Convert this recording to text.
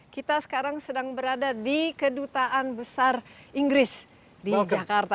kita sekarang sedang berada di kedutaan besar inggris di jakarta